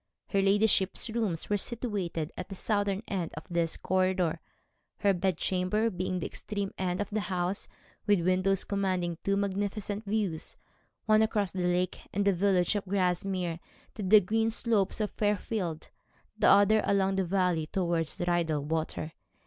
Her ladyship's rooms were situated at the southern end of this corridor, her bed chamber being at the extreme end of the house, with windows commanding two magnificent views, one across the lake and the village of Grasmere to the green slopes of Fairfield, the other along the valley towards Rydal Water.